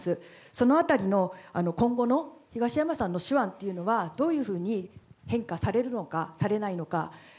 そのあたりの今後の東山さんの手腕というのがどういうふうに変化されるのか、されないのか。